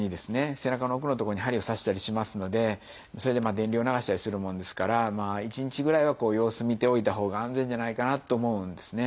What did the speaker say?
背中の奥の所に針を刺したりしますのでそれで電流を流したりするもんですから１日ぐらいは様子見ておいたほうが安全じゃないかなと思うんですね。